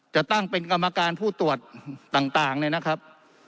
จะตั้งเป็นกรรมการผู้ตรวจต่างเนี่ยนะครับ